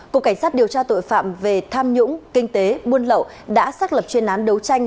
cục cảnh sát điều tra tội phạm về tham nhũng kinh tế buôn lậu đã xác lập chuyên án đấu tranh